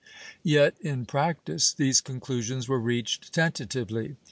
^ Yet in practice these conclusions were reached tentatively.